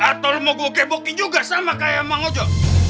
atau lo mau gue gebukin juga sama kaya bang ojo